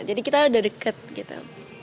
jadi kita udah deket gitu